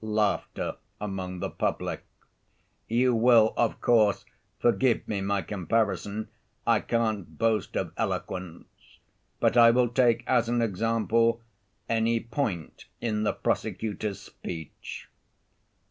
(Laughter among the public.) "You will, of course, forgive me my comparison; I can't boast of eloquence. But I will take as an example any point in the prosecutor's speech.